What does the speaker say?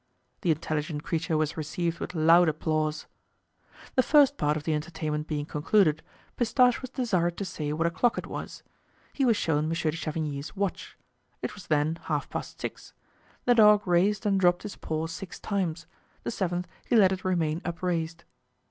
The intelligent creature was received with loud applause. The first part of the entertainment being concluded Pistache was desired to say what o'clock it was; he was shown Monsieur de Chavigny's watch; it was then half past six; the dog raised and dropped his paw six times; the seventh he let it remain upraised.